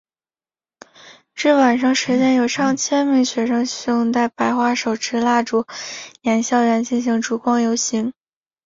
至晚上十点有上千名学生胸带白花手持蜡烛沿校园进行烛光游行。